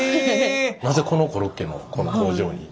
なぜこのコロッケのこの工場に？